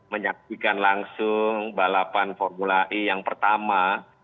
menyaksikan langsung balapan formula e yang pertama